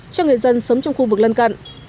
cho người dân sống trong khu vực lân cận